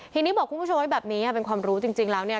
ทีนี้บอกคุณผู้ชมไว้แบบนี้เป็นความรู้จริงแล้วเนี่ย